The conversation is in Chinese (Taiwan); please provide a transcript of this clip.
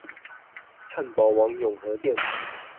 漢堡王永和店